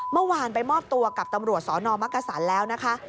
เมื่อวานไปมอบตัวกับตำรวจสนมักกษันแล้วนะคะ